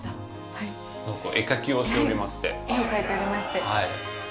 はい絵を描いておりまして私が。